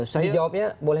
jadi jawabnya boleh